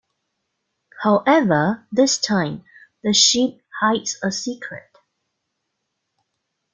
However, this time, the ship hides a secret...